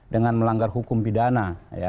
dengan melanggar hukum pidana